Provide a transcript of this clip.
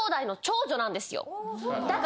だから。